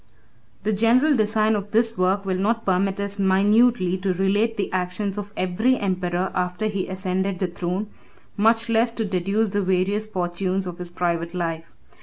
] The general design of this work will not permit us minutely to relate the actions of every emperor after he ascended the throne, much less to deduce the various fortunes of his private life.